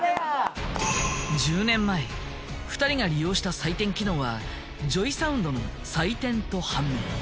１０年前２人が利用した採点機能はＪＯＹＳＯＵＮＤのさいてんと判明。